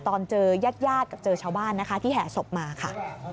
ตอนเจอยาดกับเจอชาวบ้านนะคะที่แห่ศพมาค่ะ